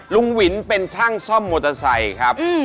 หวินเป็นช่างซ่อมมอเตอร์ไซค์ครับ